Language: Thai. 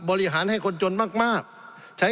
สงบจนจะตายหมดแล้วครับ